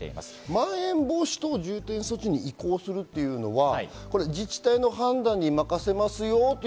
まん延防止等重点措置に移行するというのは自治体の判断に任せますよと。